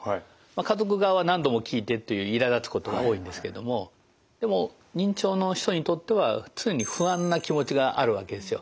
家族側は何度も聞いてっていういらだつことが多いんですけどもでも認知症の人にとっては常に不安な気持ちがあるわけですよ。